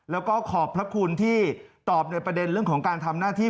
แล้วก็ขอบพระคุณที่ตอบในประเด็นเรื่องของการทำหน้าที่